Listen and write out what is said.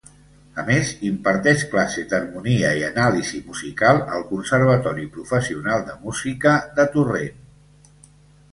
A més, imparteix classes d'harmonia i anàlisi musical al Conservatori Professional de Música de Torrent.